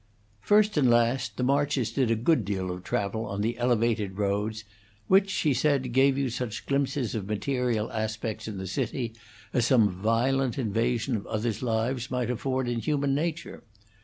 First and last, the Marches did a good deal of travel on the Elevated roads, which, he said, gave you such glimpses of material aspects in the city as some violent invasion of others' lives might afford in human nature.